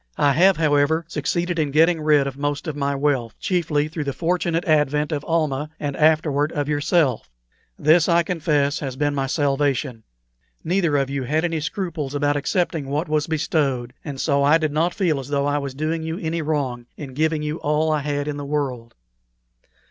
I have, however, succeeded in getting rid of most of my wealth, chiefly through the fortunate advent of Almah and afterward of yourself. This, I confess, has been my salvation. Neither of you had any scruples about accepting what was bestowed, and so I did not feel as though I was doing you any wrong in giving you all I had in the world.